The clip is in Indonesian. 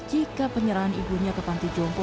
jika penyerahan ibunya ke panti jompo